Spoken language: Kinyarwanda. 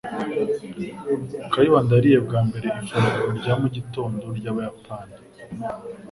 Kayibanda yariye bwa mbere ifunguro rya mugitondo ryabayapani.